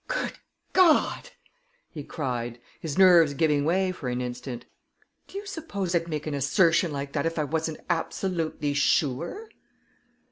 Good God!" he cried, his nerves giving way for an instant, "do you suppose I'd make an assertion like that if I wasn't absolutely sure?"